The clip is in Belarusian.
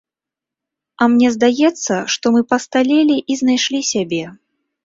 А мне здаецца, што мы пасталелі і знайшлі сябе.